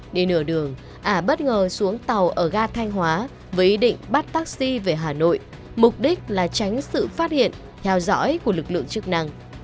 để nở đường ả bất ngờ xuống tàu ở ga thanh hóa với ý định bắt taxi về hà nội mục đích là tránh sự phát hiện theo dõi của lực lượng chức năng